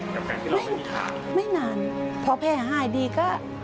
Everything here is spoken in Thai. กับการที่เราไม่มีขาดนะครับไม่นานพอแพร่หายดีก็